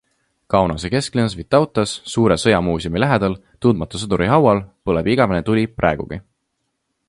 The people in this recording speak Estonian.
Kaunase kesklinnas Vytautas Suure sõjamuuseumi lähedal Tundmatu sõduri haual põleb igavene tuli praegugi.